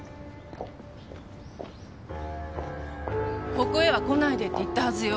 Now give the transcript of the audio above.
ここへは来ないでって言ったはずよ。